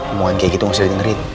omongan kayak gitu gak usah didengerin